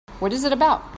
What is it about?